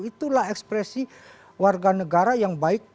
itulah ekspresi warga negara yang baik